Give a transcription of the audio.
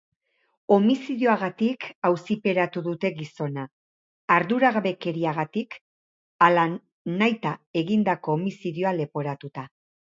Homizidioagatik auziperatu dute gizona, arduragabekeriagatik ala nahita egindako homizidioa leporatuta.